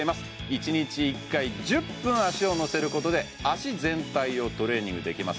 １日１回１０分足を乗せることで脚全体をトレーニングできます